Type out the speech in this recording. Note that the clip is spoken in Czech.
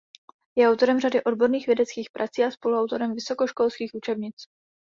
Je autorem řady odborných vědeckých prací a spoluautorem vysokoškolských učebnic.